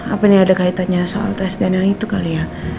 apa nih ada kaitannya soal tes dna itu kali ya